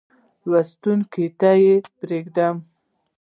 لوستونکو ته پرېږدم.